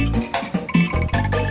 mitt melihat di dekat bawah